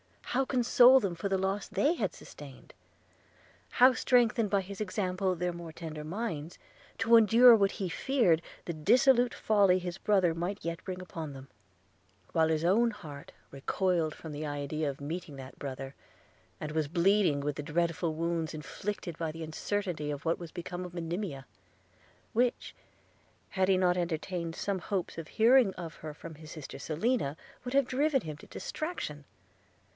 how console them for the loss they had sustained? how strengthen by his example their more tender minds, to endure what he feared the dissolute folly of his brother might yet bring upon them; while his own heart recoiled from the idea of meeting that brother, and was bleeding with the dreadful wounds inflicted by the uncertainty of what was become of Monimia; which, had he not entertained some hopes of hearing of her from his sister Selina, would have driven him to distraction!